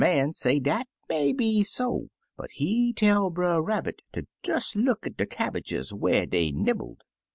Man say dat may be so, but he tell Brer Rabbit to des look at de cabbages, whar dey nibbled.